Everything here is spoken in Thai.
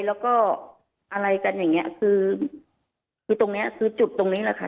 แล้วก็อะไรกันอย่างเงี้ยคือคือตรงเนี้ยคือจุดตรงนี้แหละค่ะ